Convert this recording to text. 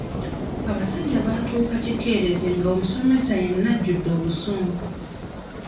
Abasajja baatuuka kikeerezi nga omusomesa yenna ajjudde obusungu.